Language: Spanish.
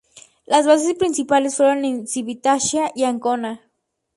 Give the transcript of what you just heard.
Las bases principales fueron en Civitavecchia y Ancona.